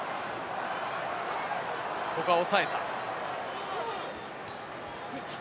ここは抑えた。